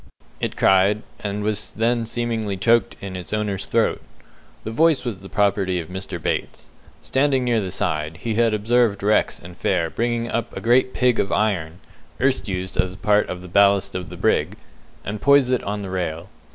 it cried, and was then seemingly choked in its owner's throat. The voice was the property of Mr. Bates. Standing near the side, he had observed Rex and Fair bring up a great pig of iron, erst used as part of the ballast of the brig, and poise it on the rail.